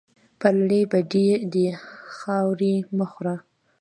پرلې بډۍ دې خاورې مه خوره